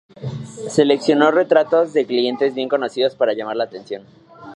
Seleccionó retratos de clientes bien conocidos para llamar la atención.